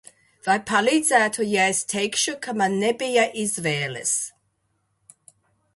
Vai palīdzētu, ja es teikšu, ka man nebija izvēles?